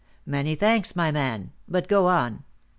"Many thanks, my man; but go on."